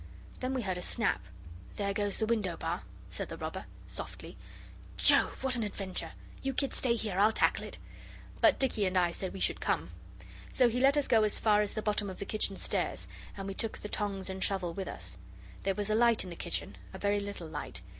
Then we heard a snap. 'There goes the window bar,' said the robber softly. 'Jove! what an adventure! You kids stay here, I'll tackle it.' But Dicky and I said we should come. So he let us go as far as the bottom of the kitchen stairs, and we took the tongs and shovel with us. There was a light in the kitchen; a very little light.